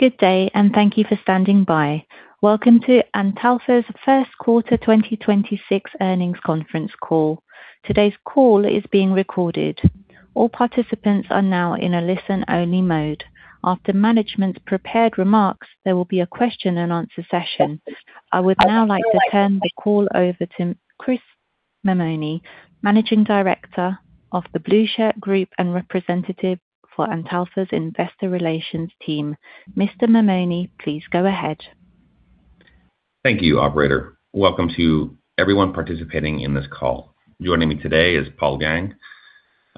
Good day, and thank you for standing by. Welcome to Antalpha's first quarter 2026 earnings conference call. Today's call is being recorded. All participants are now in a listen-only mode. After management's prepared remarks, there will be a question-and-answer session. I would now like to turn the call over to Chris Mammone, Managing Director of The Blueshirt Group and representative for Antalpha's Investor Relations team. Mr. Mammone, please go ahead. Thank you, operator. Welcome to everyone participating in this call. Joining me today is Paul Liang,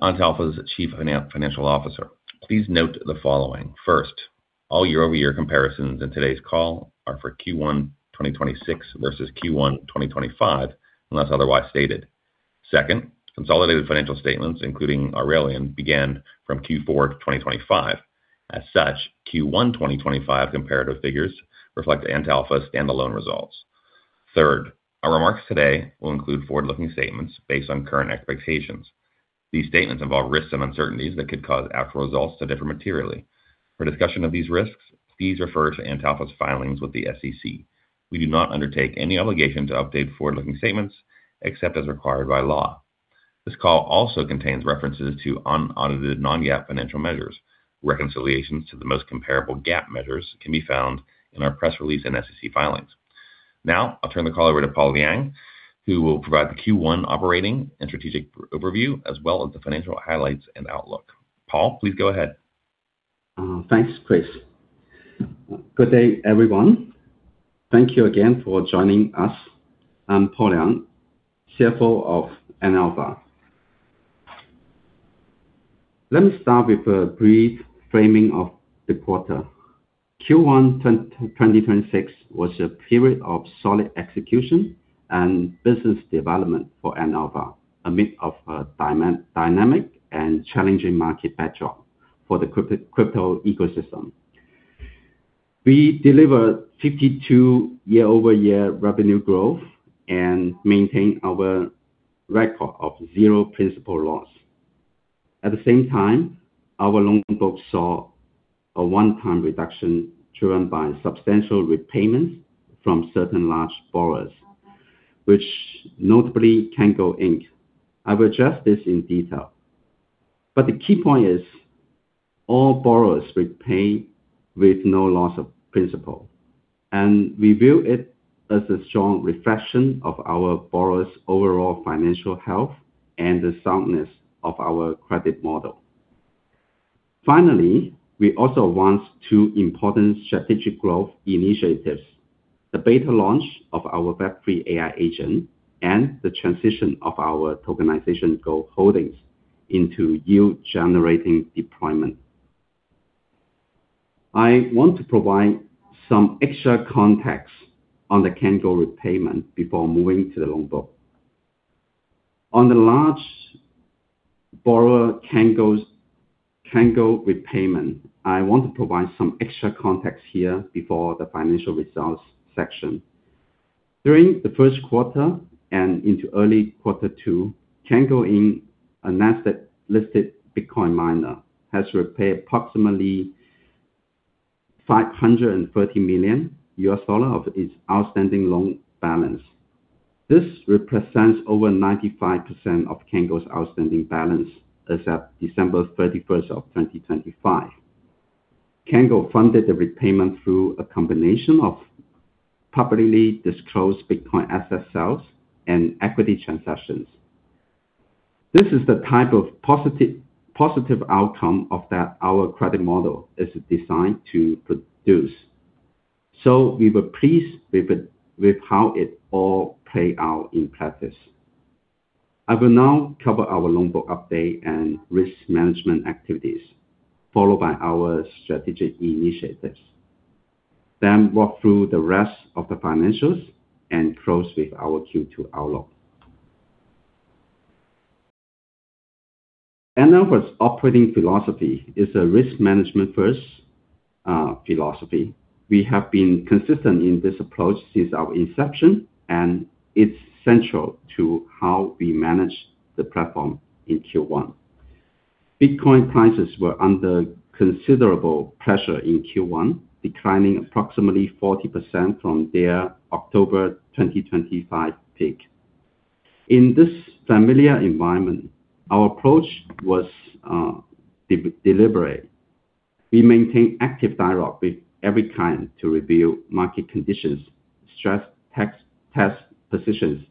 Antalpha's Chief Financial Officer. Please note the following. First, all year-over-year comparisons in today's call are for Q1 2026 versus Q1 2025, unless otherwise stated. Second, consolidated financial statements, including Aurelion, began from Q4 2025. As such, Q1 2025 comparative figures reflect Antalpha's stand-alone results. Third, our remarks today will include forward-looking statements based on current expectations. These statements involve risks and uncertainties that could cause actual results to differ materially. For discussion of these risks, please refer to Antalpha's filings with the SEC. We do not undertake any obligation to update forward-looking statements except as required by law. This call also contains references to unaudited non-GAAP financial measures. Reconciliations to the most comparable GAAP measures can be found in our press release and SEC filings. Now I'll turn the call over to Paul Liang, who will provide the Q1 operating and strategic overview, as well as the financial highlights and outlook. Paul, please go ahead. Thanks, Chris. Good day, everyone. Thank you again for joining us. I'm Paul Liang, CFO of Antalpha. Let me start with a brief framing of the quarter. Q1 10, 2026 was a period of solid execution and business development for Antalpha, amid of a dynamic and challenging market backdrop for the crypto ecosystem. We delivered 52% year-over-year revenue growth and maintained our record of 0 principal loss. At the same time, our loan book saw a one-time reduction driven by substantial repayments from certain large borrowers, which notably Cango Inc. I will address this in detail, but the key point is all borrowers repay with no loss of principal. We view it as a strong reflection of our borrowers' overall financial health and the soundness of our credit model. Finally, we also want two important strategic growth initiatives, the beta launch of our Web3 AI agent and the transition of our tokenization gold holdings into yield-generating deployment. I want to provide some extra context on the Cango repayment before moving to the loan book. On the large borrower Cango's, Cango repayment, I want to provide some extra context here before the financial results section. During the first quarter and into early quarter two, Cango Inc, a NASDAQ-listed Bitcoin miner, has repaid approximately $530 million of its outstanding loan balance. This represents over 95% of Cango's outstanding balance as at December 31, 2025. Cango funded the repayment through a combination of publicly disclosed Bitcoin asset sales and equity transactions. This is the type of positive outcome of that our credit model is designed to produce. We were pleased with how it all played out in practice. I will now cover our loan book update and risk management activities, followed by our strategic initiatives, walk through the rest of the financials and close with our Q2 outlook. Antalpha's operating philosophy is a risk management-first philosophy. We have been consistent in this approach since our inception, and it's central to how we manage the platform in Q1. Bitcoin prices were under considerable pressure in Q1, declining approximately 40% from their October 2025 peak. In this familiar environment, our approach was deliberate. We maintain active dialogue with every client to review market conditions, stress test positions,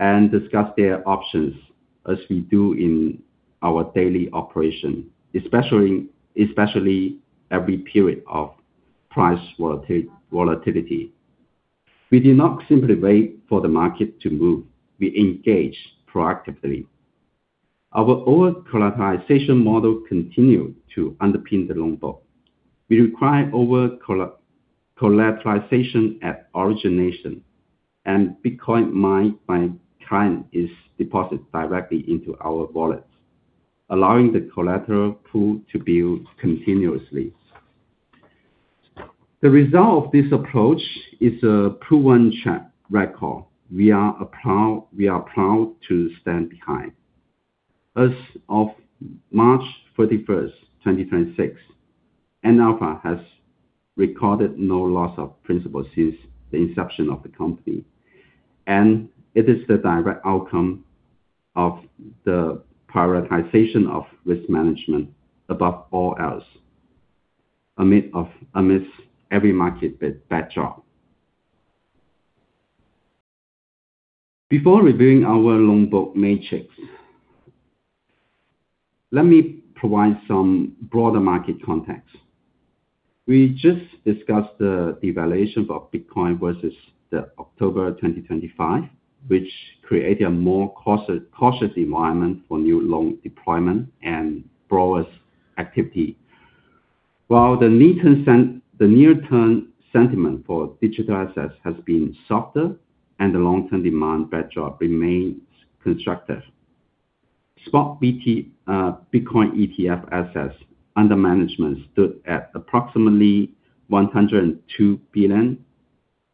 and discuss their options as we do in our daily operation, especially every period of price volatility. We do not simply wait for the market to move. We engage proactively. Our overcollateralization model continued to underpin the loan book. We require overcollateralization at origination, and Bitcoin mined by client is deposited directly into our wallets, allowing the collateral pool to build continuously. The result of this approach is a proven track record we are proud to stand behind. As of March 31st, 2026, Antalpha has recorded no loss of principal since the inception of the company, and it is the direct outcome of the prioritization of risk management above all else amidst every market backdrop. Before reviewing our loan book matrix, let me provide some broader market context. We just discussed the devaluation of Bitcoin versus the October 2025, which created a more cautious environment for new loan deployment and borrowers' activity. While the near-term sentiment for digital assets has been softer and the long-term demand backdrop remains constructive, spot BTC ETF assets under management stood at approximately $102 billion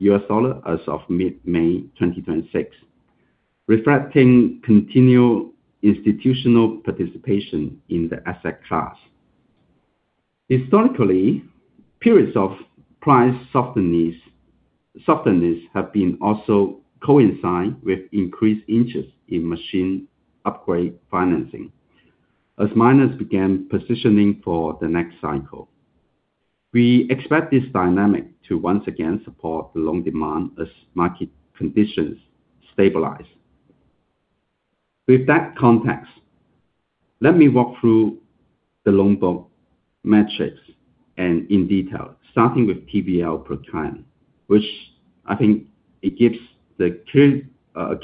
as of mid-May 2026, reflecting continued institutional participation in the asset class. Historically, periods of price softness have been also coincide with increased interest in machine upgrade financing as miners began positioning for the next cycle. We expect this dynamic to once again support the loan demand as market conditions stabilize. With that context, let me walk through the loan book matrix and in detail, starting with TVL per client, which I think it gives the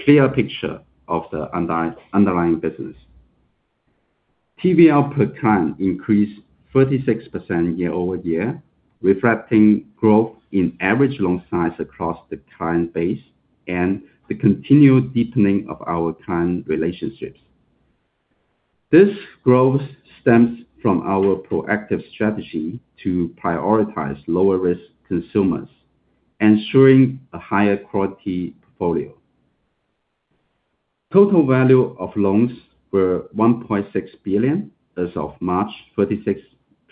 clear picture of the underlying business. TVL per client increased 36% year-over-year, reflecting growth in average loan size across the client base and the continued deepening of our client relationships. This growth stems from our proactive strategy to prioritize lower-risk consumers, ensuring a higher quality portfolio. Total value of loans were $1.6 billion as of March 31st,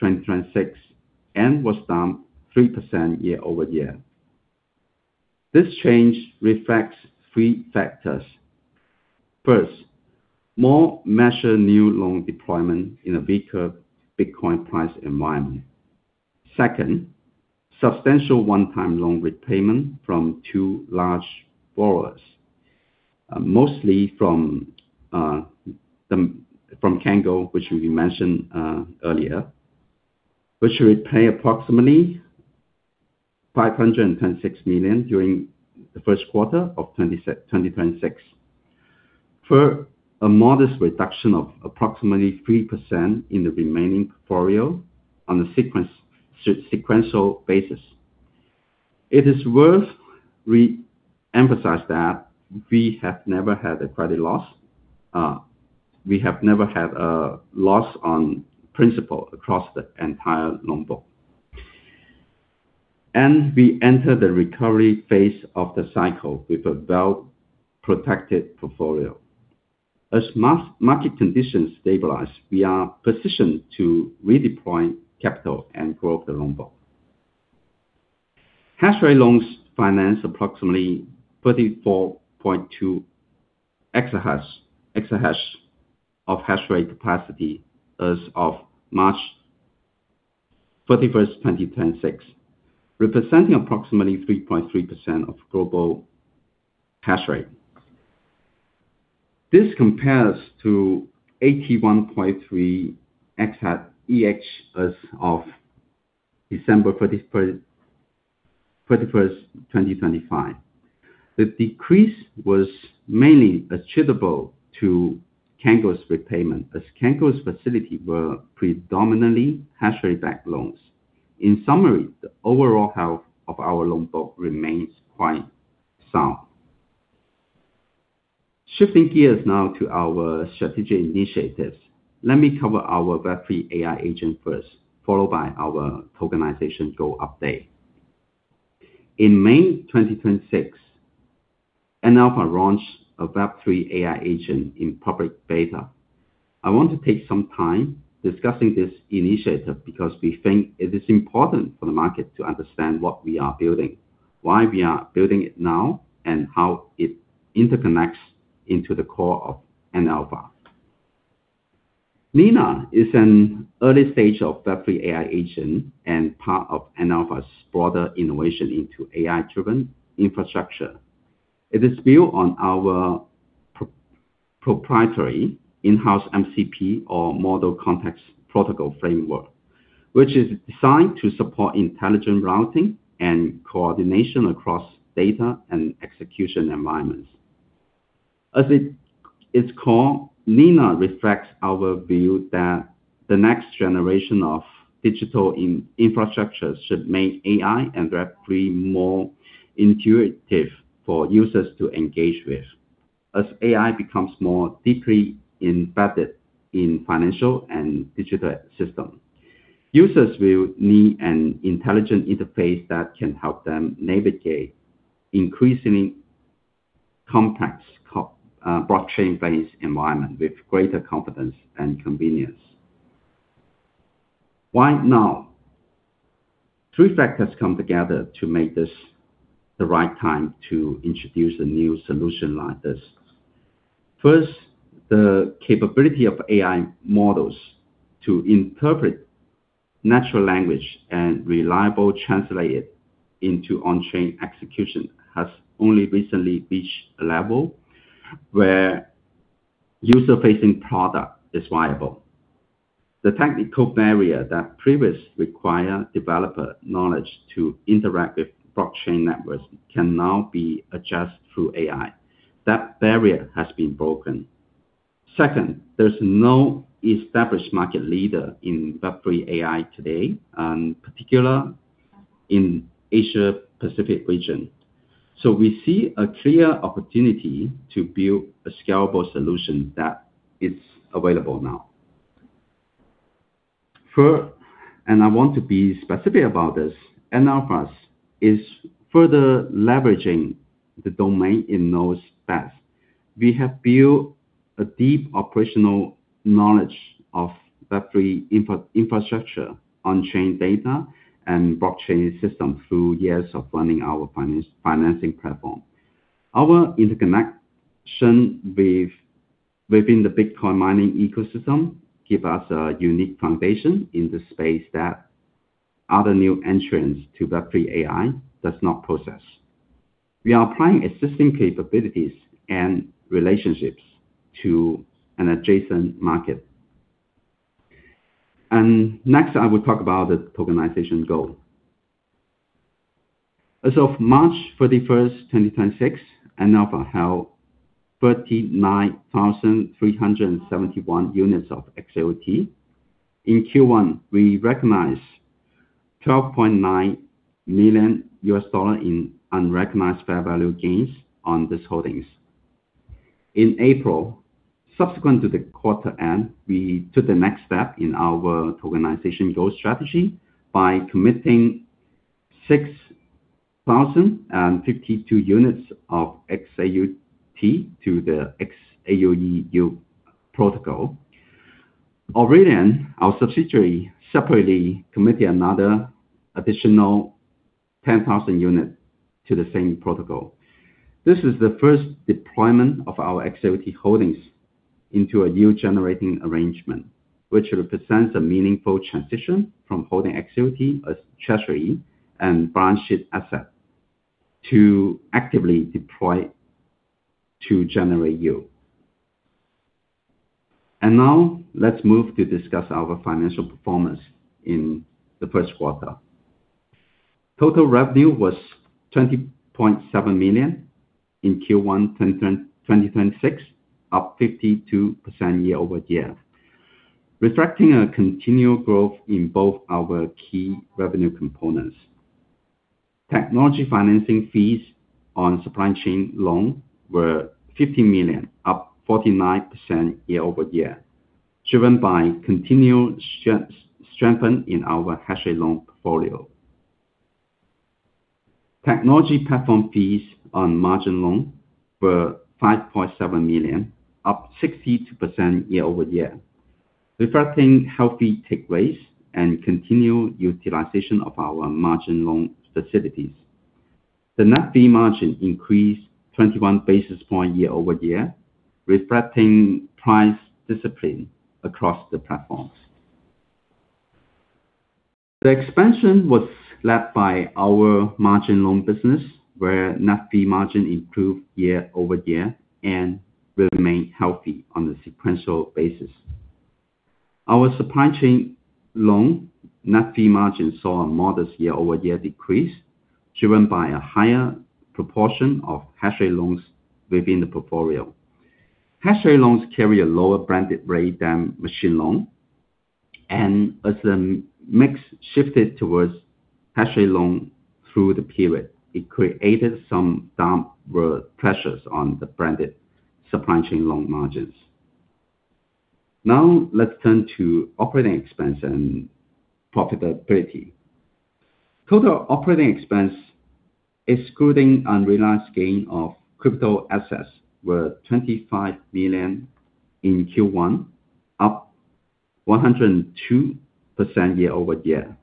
2026, was down 3% year-over-year. This change reflects three factors. First, more measured new loan deployment in a weaker Bitcoin price environment. Second, substantial one-time loan repayment from two large borrowers, mostly from Cango, which we mentioned earlier, which repay approximately $510.6 million during the 1st quarter of 2026. Third, a modest reduction of approximately 3% in the remaining portfolio on a sequential basis. It is worth re-emphasize that we have never had a credit loss. We have never had a loss on principal across the entire loan book. We enter the recovery phase of the cycle with a well-protected portfolio. As market conditions stabilize, we are positioned to redeploy capital and grow the loan book. Hash rate loans finance approximately 44.2 exahash of hash rate capacity as of March 31st, 2026, representing approximately 3.3% of global hash rate. This compares to 81.3 exahash, EH, as of December 31st, 2025. The decrease was mainly attributable to Cango's repayment, as Cango's facility were predominantly hash rate backed loans. In summary, the overall health of our loan book remains quite sound. Shifting gears now to our strategic initiatives, let me cover our Web3 AI agent first, followed by our tokenization gold update. In May 2026, Antalpha launched a Web3 AI agent in public beta. I want to take some time discussing this initiative because we think it is important for the market to understand what we are building, why we are building it now, and how it interconnects into the core of Antalpha. Nina is an early stage of Web3 AI agent and part of Antalpha's broader innovation into AI-driven infrastructure. It is built on our proprietary in-house MCP or Model Context Protocol framework, which is designed to support intelligent routing and coordination across data and execution environments. As it is core, Nina reflects our view that the next generation of digital infrastructure should make AI and Web3 more intuitive for users to engage with. As AI becomes more deeply embedded in financial and digital system, users will need an intelligent interface that can help them navigate increasingly complex blockchain-based environment with greater confidence and convenience. Why now? Three factors come together to make this the right time to introduce a new solution like this. First, the capability of AI models to interpret natural language and reliable translate it into on-chain execution has only recently reached a level where user-facing product is viable. The technical barrier that previously required developer knowledge to interact with blockchain networks can now be adjusted through AI. That barrier has been broken. Second, there's no established market leader in Web3 AI today, particular in Asia Pacific region. We see a clear opportunity to build a scalable solution that is available now. Third, and I want to be specific about this, Nina is further leveraging the domain it knows best. We have built a deep operational knowledge of Web3 infrastructure on-chain data and blockchain system through years of running our financing platform. Our interconnection within the Bitcoin mining ecosystem give us a unique foundation in the space that other new entrants to Web3 AI does not possess. We are applying existing capabilities and relationships to an adjacent market. Next, I will talk about the tokenization goal. As of March 31st, 2026, Antalpha held 39,371 units of XAUT. In Q1, we recognized $12.9 million in unrecognized fair value gains on these holdings. In April, subsequent to the quarter end, we took the next step in our tokenization growth strategy by committing 6,052 units of XAUT to the XAUE yield protocol. Aurelion, our subsidiary, separately committed another additional 10,000 unit to the same protocol. This is the first deployment of our XAUT holdings into a yield-generating arrangement, which represents a meaningful transition from holding XAUT as treasury and balance sheet asset to actively deploy to generate yield. Now, let's move to discuss our financial performance in the first quarter. Total revenue was $20.7 million in Q1 2026, up 52% year-over-year, reflecting a continual growth in both our key revenue components. Technology financing fees on supply chain loan were $50 million, up 49% year-over-year, driven by continued strengthen in our hash rate loan portfolio. Technology platform fees on margin loan were $5.7 million, up 62% year-over-year, reflecting healthy take rates and continued utilization of our margin loan facilities. The net fee margin increased 21 basis points year-over-year, reflecting price discipline across the platforms. The expansion was led by our margin loan business, where net fee margin improved year-over-year and remained healthy on a sequential basis. Our supply chain loan net fee margin saw a modest year-over-year decrease, driven by a higher proportion of hash rate loans within the portfolio. Hash rate loans carry a lower blended rate than machine loan, and as the mix shifted towards hash rate loan through the period, it created some downward pressures on the blended supply chain loan margins. Let's turn to operating expense and profitability. Total operating expense, excluding unrealized gain of crypto assets, were $25 million in Q1, up 102% year-over-year.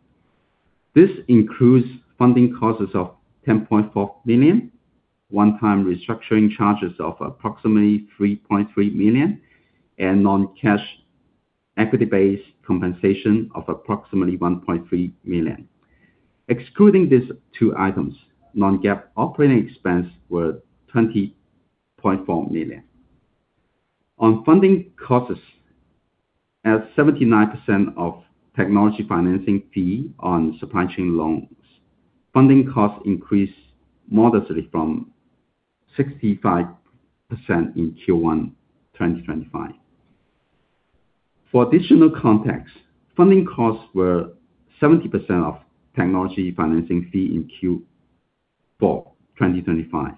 This includes funding costs of $10.4 million, one-time restructuring charges of approximately $3.3 million, and non-cash equity-based compensation of approximately $1.3 million. Excluding these two items, non-GAAP operating expense were $20.4 million. On funding costs, at 79% of technology financing fee on supply chain loans, funding costs increased modestly from 65% in Q1 2025. For additional context, funding costs were 70% of technology financing fee in Q4 2025.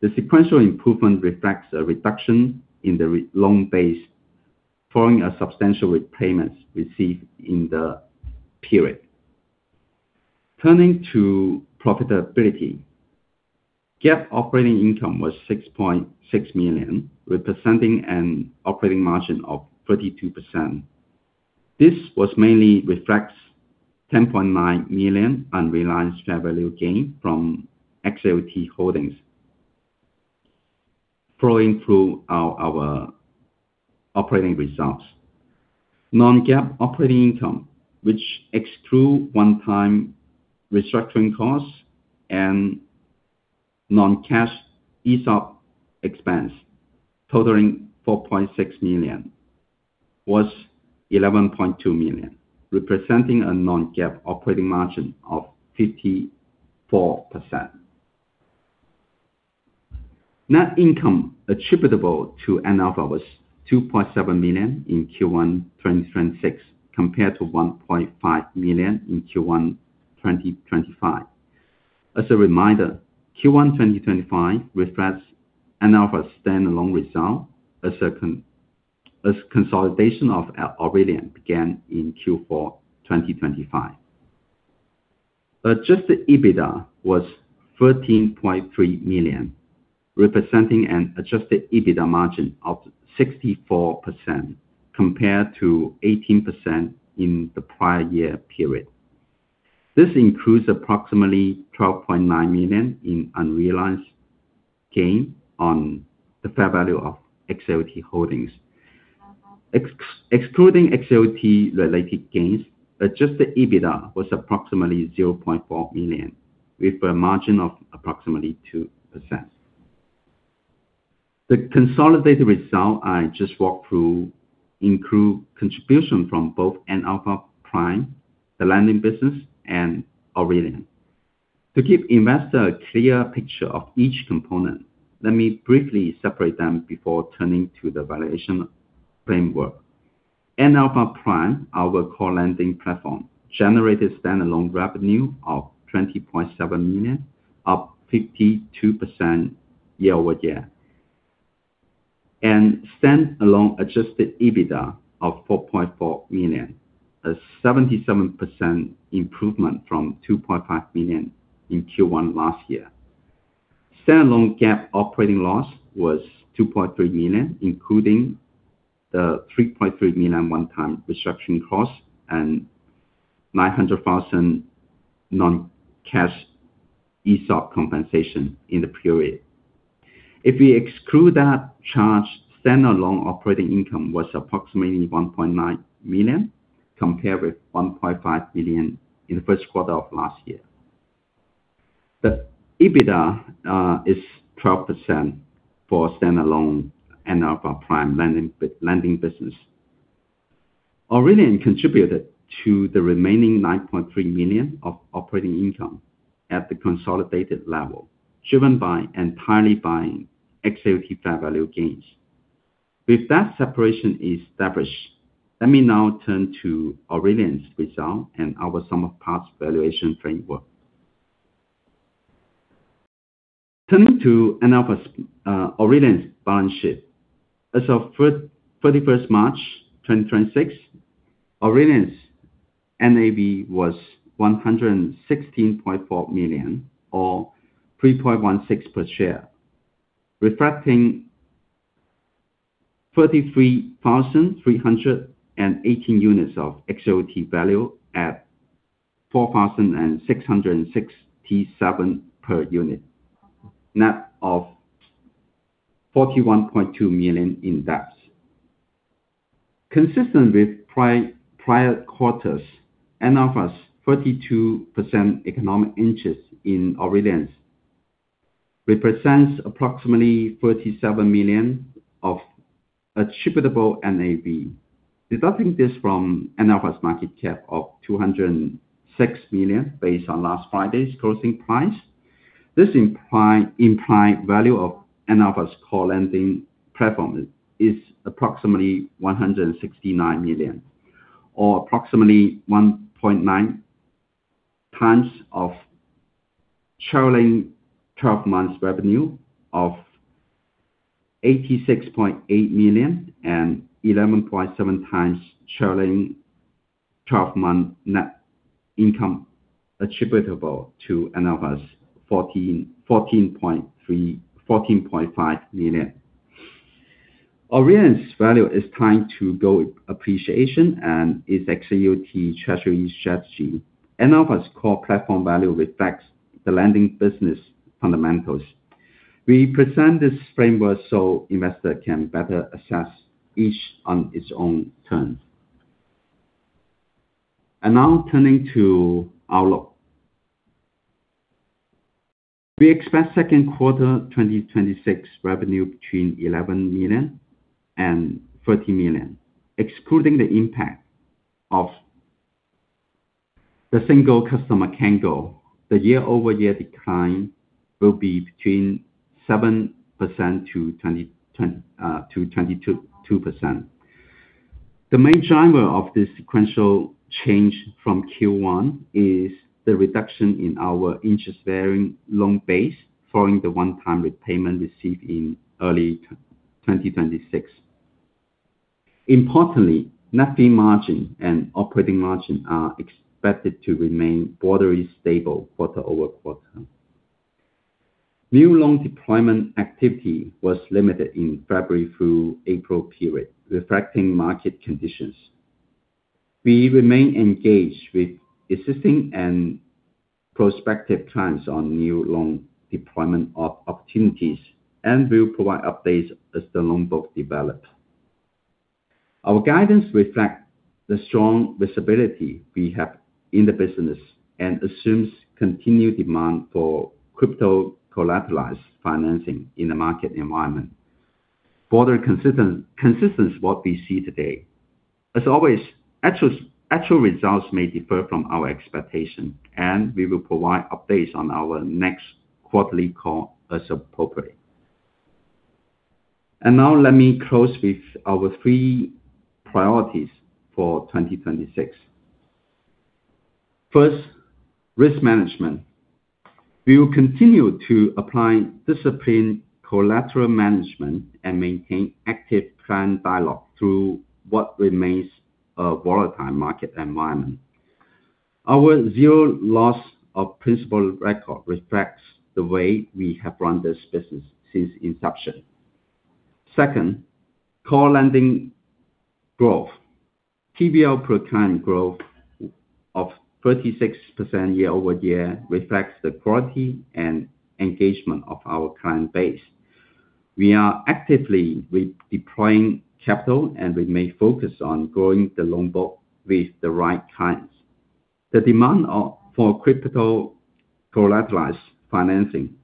The sequential improvement reflects a reduction in the loan base following a substantial repayments received in the period. Turning to profitability, GAAP operating income was $6.6 million, representing an operating margin of 32%. This was mainly reflects $10.9 million unrealized fair value gain from XAUT holdings flowing through our operating results. Non-GAAP operating income, which exclude one-time restructuring costs and non-cash ESOP expense totaling $4.6 million, was $11.2 million, representing a non-GAAP operating margin of 54%. Net income attributable to Antalpha was $2.7 million in Q1 2026 compared to $1.5 million in Q1 2025. As a reminder, Q1 2025 reflects Antalpha's standalone result as consolidation of Aurelion began in Q4 2025. Adjusted EBITDA was $13.3 million, representing an Adjusted EBITDA margin of 64% compared to 18% in the prior year period. This includes approximately $12.9 million in unrealized gain on the fair value of XAUT holdings. Excluding XAUT related gains, Adjusted EBITDA was approximately $0.4 million, with a margin of approximately 2%. The consolidated result I just walked through include contribution from both Antalpha Prime, the lending business, and Aurelion. To give investor a clear picture of each component, let me briefly separate them before turning to the valuation framework. Antalpha Prime, our core lending platform, generated standalone revenue of $20.7 million, up 52% year-over-year. Standalone adjusted EBITDA of $4.4 million, a 77% improvement from $2.5 million in Q1 last year. Standalone GAAP operating loss was $2.3 million, including the $3.3 million one-time restructuring cost and $900,000 non-cash ESOP compensation in the period. If we exclude that charge, standalone operating income was approximately $1.9 million, compared with $1.5 million in the first quarter of last year. The EBITDA is 12% for standalone Antalpha Prime lending business. Aurelion contributed to the remaining $9.3 million of operating income at the consolidated level, driven by entirely by XAUT fair value gains. With that separation established, let me now turn to Aurelion's result and our sum of parts valuation framework. Turning to Aurelion's balance sheet. As of 31st March 2026, Aurelion's NAV was $116.4 million or $3.16 per share, reflecting 33,318 units of XAUT value at $4,667 per unit, net of $41.2 million in debts. Consistent with prior quarters, Antalpha's 42% economic interest in Aurelion represents approximately $47 million of attributable NAV. Deducting this from Antalpha's market cap of $206 million based on last Friday's closing price, implied value of Antalpha's core lending platform is approximately $169 million or approximately 1.9x of trailing 12 months revenue of $86.8 million and 11.7x trailing 12-month net income attributable to Antalpha's $14.5 million. Aurelion's value is tied to gold appreciation and its XAUT treasury strategy. Antalpha Prime's core platform value reflects the lending business fundamentals. We present this framework so investor can better assess each on its own terms. Turning to outlook. We expect second quarter 2026 revenue between $11 million and $13 million, excluding the impact of the single customer Cango. The year-over-year decline will be between 7%-22%. The main driver of this sequential change from Q1 is the reduction in our interest-bearing loan base following the one-time repayment received in early 2026. Importantly, net fee margin and operating margin are expected to remain broadly stable quarter-over-quarter. New loan deployment activity was limited in February through April period, reflecting market conditions. We remain engaged with existing and prospective clients on new loan deployment opportunities, and we'll provide updates as the loan book develop. Our guidance reflects the strong visibility we have in the business and assumes continued demand for crypto-collateralized financing in the market environment. Further consistence what we see today. As always, actual results may differ from our expectation, and we will provide updates on our next quarterly call as appropriate. Now let me close with our 3 priorities for 2026. First, risk management. We will continue to apply disciplined collateral management and maintain active client dialogue through what remains a volatile market environment. Our 0 loss of principal record reflects the way we have run this business since inception. Second, core lending growth. TVL per client growth of 36% year-over-year reflects the quality and engagement of our client base. We are actively re-deploying capital, and remain focused on growing the loan book with the right clients. The demand for crypto-collateralized financing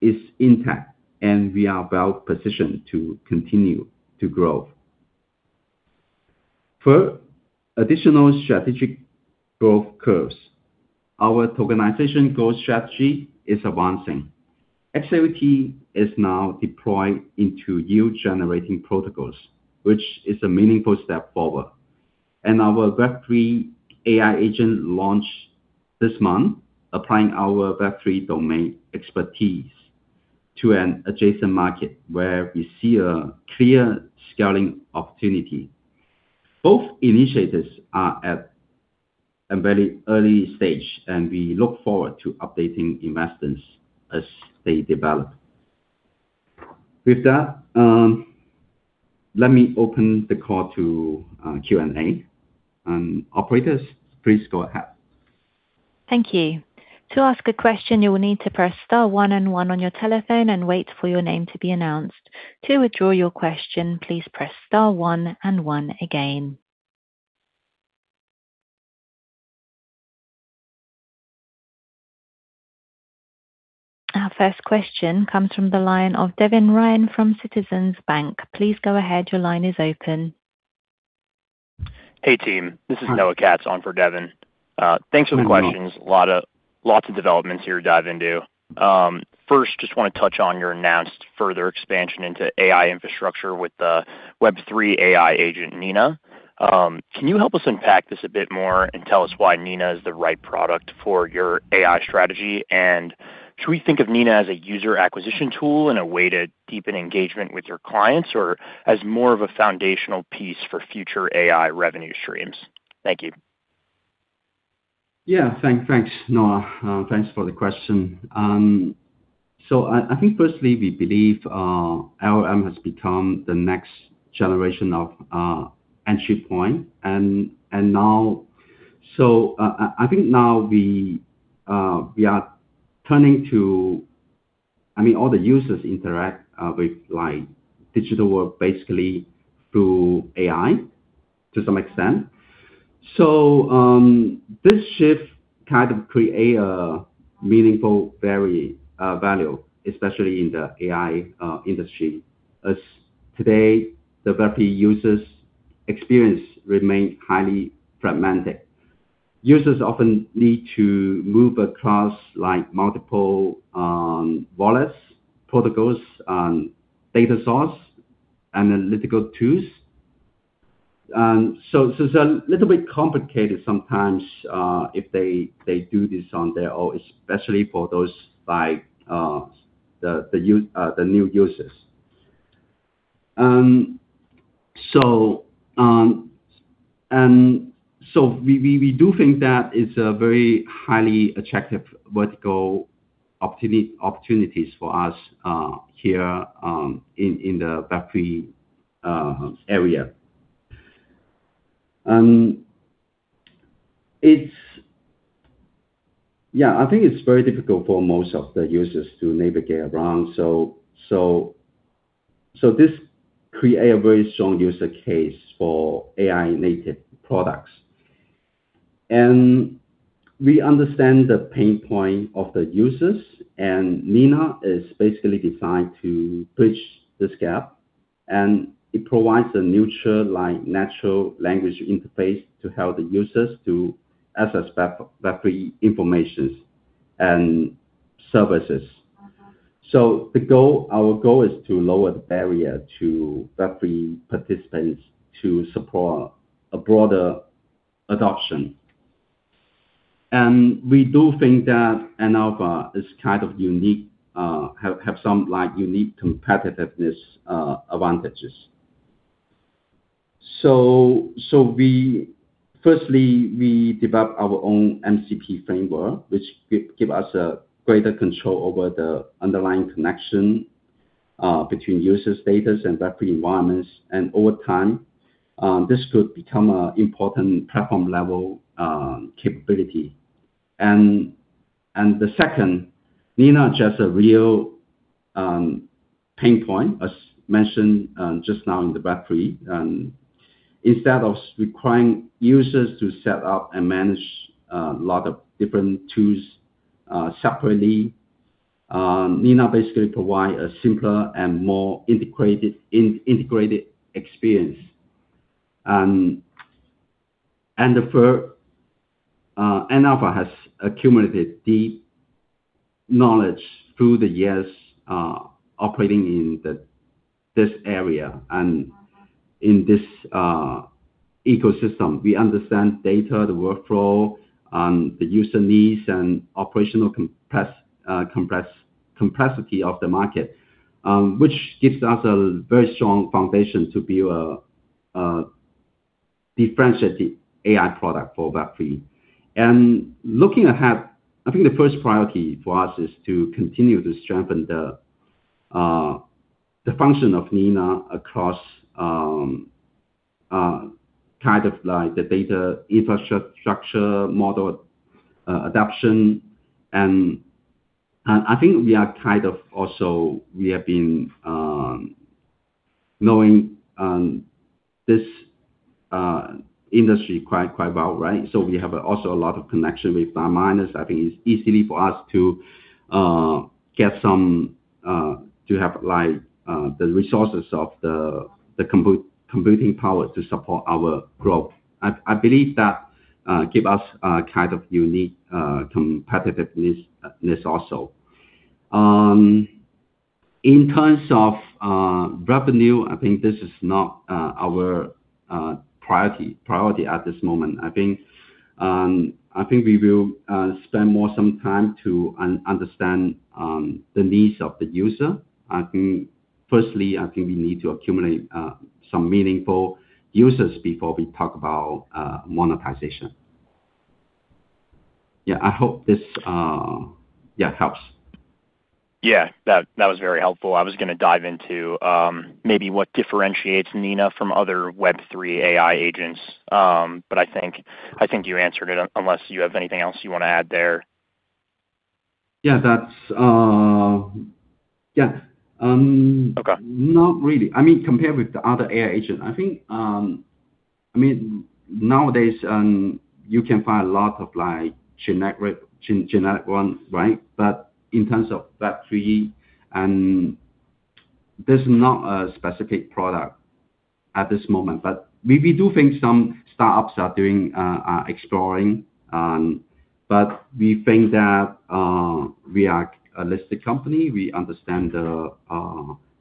is intact, and we are well positioned to continue to grow. Third, additional strategic growth curves. Our tokenization growth strategy is advancing. XAUT is now deployed into yield-generating protocols, which is a meaningful step forward. Our Web3 AI agent launched this month, applying our Web3 domain expertise to an adjacent market where we see a clear scaling opportunity. Both initiatives are at a very early stage, and we look forward to updating investors as they develop. With that, let me open the call to Q&A. Operators, please go ahead. Thank you. To ask a question, you will need to press star one and one on your telephone and wait for your name to be announced. To withdraw your question, please press star one and one again. Our first question comes from the line of Devin Ryan from Citizens Bank. Please go ahead. Your line is open. Hey, team. This is Noah Katz on for Devin. Thanks for the questions. Hi, Noah. Lots of developments here to dive into. First, just want to touch on your announced further expansion into AI infrastructure with the Web3 AI agent, Nina. Can you help us unpack this a bit more and tell us why Nina is the right product for your AI strategy? Should we think of Nina as a user acquisition tool and a way to deepen engagement with your clients, or as more of a foundational piece for future AI revenue streams? Thank you. Yeah. Thanks, Noah. Thanks for the question. I think firstly, we believe LLM has become the next generation of entry point. I think now we are turning to I mean, all the users interact with like digital world basically through AI to some extent. This shift kind of create a meaningful vary, value, especially in the AI industry. As today, the Web3 users experience remain highly fragmented. Users often need to move across like multiple wallets, protocols, data source, analytical tools. It's a little bit complicated sometimes, if they do this on their own, especially for those like the new users. We do think that it's a very highly attractive vertical opportunities for us here in the Web3 area. Yeah, I think it's very difficult for most of the users to navigate around, so this create a very strong user case for AI-native products. We understand the pain point of the users, and Nina is basically designed to bridge this gap, and it provides a neutral, like, natural language interface to help the users to access Web3 information and services. The goal, our goal is to lower the barrier to Web3 participants to support a broader adoption. We do think that Antalpha is kind of unique, have some unique competitiveness advantages. Firstly, we develop our own MCP framework, which give us a greater control over the underlying connection between user status and Web3 environments. Over time, this could become a important platform-level capability. The second, Nina addresses a real pain point, as mentioned just now in the Web3. Instead of requiring users to set up and manage a lot of different tools separately, Nina basically provide a simpler and more integrated experience. The third, Antalpha has accumulated deep knowledge through the years operating in this area. in this ecosystem. We understand data, the workflow, the user needs, and operational complexity of the market, which gives us a very strong foundation to build a differentiated AI product for Web3. Looking ahead, I think the first priority for us is to continue to strengthen the function of Nina across kind of like the data infrastructure model adoption. I think we are kind of also, we have been knowing this industry quite well, right? We have also a lot of connection with our miners. I think it's easy for us to get some to have, like, the resources of the computing power to support our growth. I believe that give us a kind of unique competitiveness in this also. In terms of revenue, I think this is not our priority at this moment. I think we will spend more some time to understand the needs of the user. I think firstly, I think we need to accumulate some meaningful users before we talk about monetization. I hope this helps. Yeah, that was very helpful. I was gonna dive into maybe what differentiates Nina from other Web3 AI agents. I think you answered it, unless you have anything else you want to add there. Yeah, that's. Okay. Not really. I mean, compared with the other AI agent, I think, I mean, nowadays, you can find a lot of like generic ones, right? In terms of Web3, there's not a specific product at this moment. We do think some startups are doing, are exploring, we think that we are a listed company. We understand the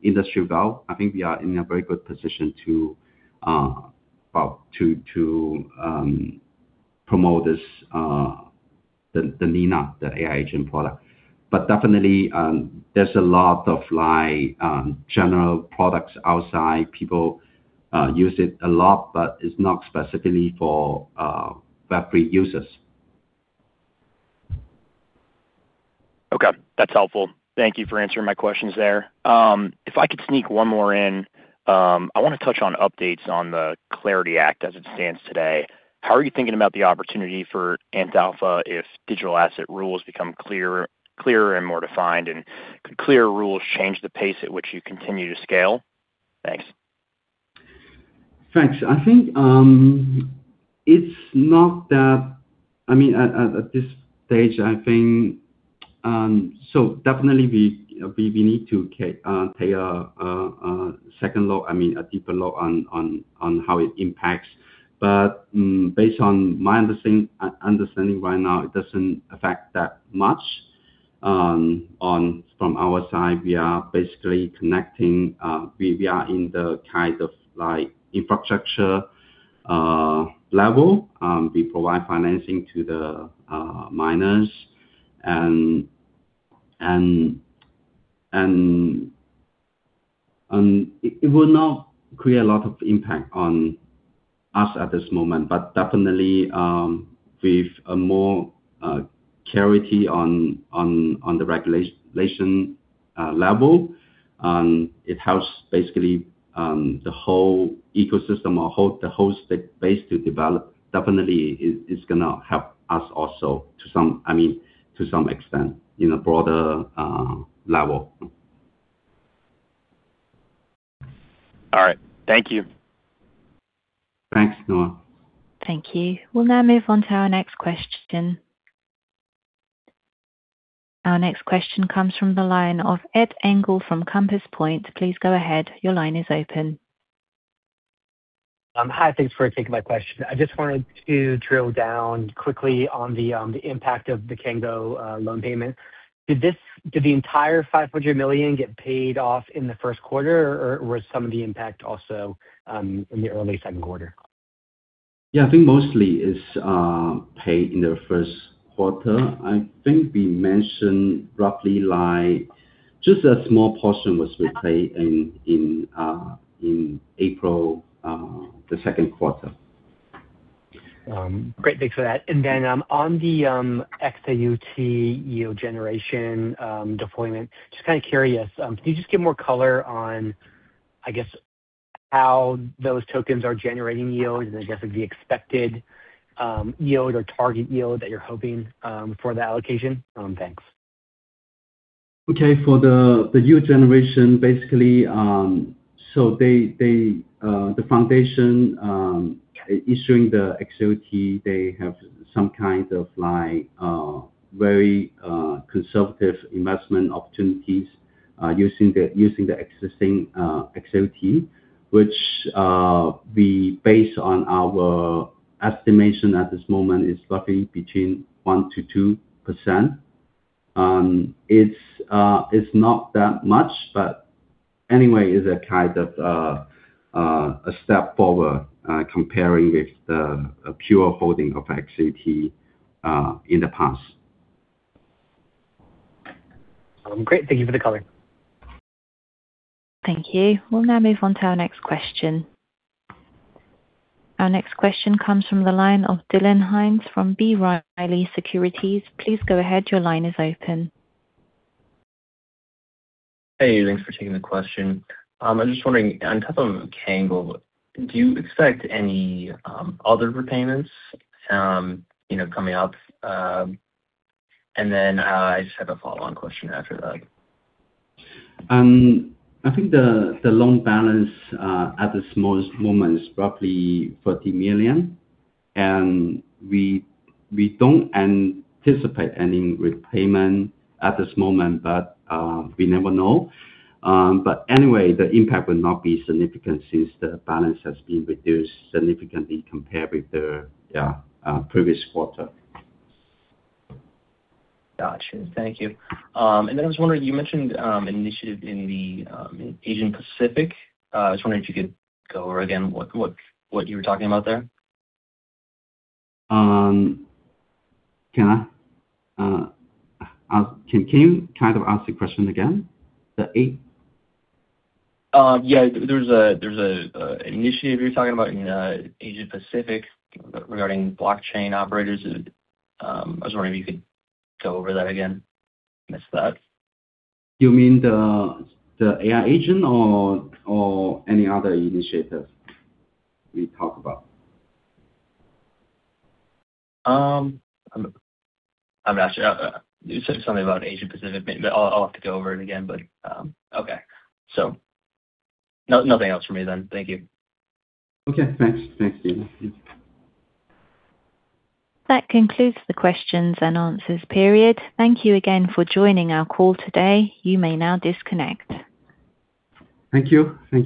industry well. I think we are in a very good position to, well, to promote this, the Nina, the AI agent product. Definitely, there's a lot of like general products outside. People use it a lot, it's not specifically for Web3 users. That's helpful. Thank you for answering my questions there. If I could sneak one more in, I want to touch on updates on the Clarity Act as it stands today. How are you thinking about the opportunity for Antalpha if digital asset rules become clearer and more defined, and could clearer rules change the pace at which you continue to scale? Thanks. Thanks. I think, it's not that I mean, at this stage, I think, definitely we need to take a second look, I mean, a deeper look on how it impacts. Based on my understanding right now, it doesn't affect that much. From our side, we are basically connecting, we are in the kind of like infrastructure level. We provide financing to the miners and it will not create a lot of impact on us at this moment. Definitely, with a more clarity on the regulation level, it helps basically the whole ecosystem or the whole stack base to develop. Definitely it's gonna help us also to some, I mean, to some extent in a broader level. Thank you. Thanks, Noah. Thank you. We'll now move on to our next question. Our next question comes from the line of Ed Engel from Compass Point. Please go ahead. Your line is open. Hi, thanks for taking my question. I just wanted to drill down quickly on the impact of the Cango loan payment. Did the entire $500 million get paid off in the first quarter, or was some of the impact also in the early second quarter? Yeah, I think mostly it's paid in the first quarter. I think we mentioned roughly like just a small portion was repaid in April, the second quarter. Great. Thanks for that. On the XAUT yield generation, deployment, just kind of curious, can you just give more color on, I guess, how those tokens are generating yield and then just like the expected, yield or target yield that you're hoping for that allocation? Thanks. Okay. For the yield generation, basically, the foundation, issuing the XAUT, they have some kind of like very conservative investment opportunities, using the existing XAUT, which we base on our estimation at this moment is roughly between 1%-2%. It's not that much, anyway, it's a kind of a step forward comparing with the pure holding of XAUT in the past. Great. Thank you for the color. Thank you. We'll now move on to our next question. Our next question comes from the line of Dillon Heins from B. Riley Securities. Please go ahead. Your line is open. Hey, thanks for taking the question. I'm just wondering, on top of Cango, do you expect any other repayments, you know, coming up? I just have a follow-on question after that. I think the loan balance at the smallest moment is roughly $40 million. We don't anticipate any repayment at this moment, but we never know. Anyway, the impact will not be significant since the balance has been reduced significantly compared with the previous quarter. Got you. Thank you. I was wondering, you mentioned an initiative in the Asian Pacific. I was wondering if you could go over again what you were talking about there. Can you kind of ask the question again? Yeah. There's an initiative you're talking about in Asia Pacific regarding blockchain operators. I was wondering if you could go over that again. Missed that. You mean the AI agent or any other initiatives we talk about? I'm not sure. You said something about Asian Pacific. Maybe I'll have to go over it again, but okay. Nothing else for me then. Thank you. Okay, thanks. Thanks, Dillon. That concludes the questions-and-answers period. Thank you again for joining our call today. You may now disconnect. Thank you. Thank you.